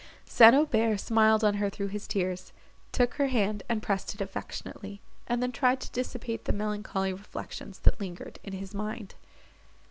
St. Aubert smiled on her through his tears, took her hand and pressed it affectionately, and then tried to dissipate the melancholy reflections that lingered in his mind.